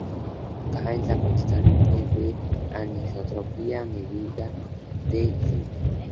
K es la constante de anisotropía, medida en J.m.